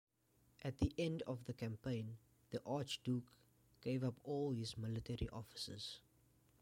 At the end of the campaign the archduke gave up all his military offices.